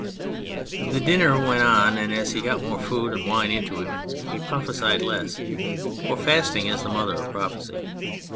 The dinner went on, and as he got more food and wine into him he prophesied less for fasting is the mother of prophecy.